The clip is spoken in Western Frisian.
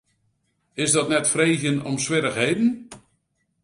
Is dat net freegjen om swierrichheden?